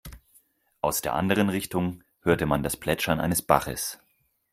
Aus der anderen Richtung hörte man das Plätschern eines Baches.